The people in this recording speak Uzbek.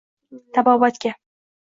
Tabobatga